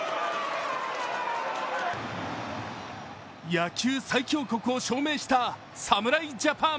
野球最強国を証明した侍ジャパン！